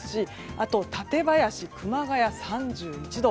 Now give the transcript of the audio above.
あと、館林と熊谷は３１度。